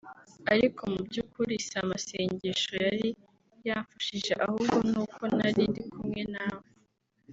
ariko mu by’ukuri si amasengesho yari yamfashije ahubwo ni uko nari ndi kumwe nawe